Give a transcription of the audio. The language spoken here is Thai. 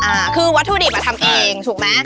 อ่าคือวัตถุดิบอ่ะทำเองถูกไหม